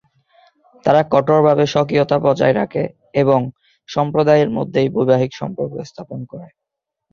তারা কঠোরভাবে স্বকীয়তা বজায় রাখে, এবং সম্প্রদায়ের মধ্যেই বৈবাহিক সম্পর্ক স্থাপন করে।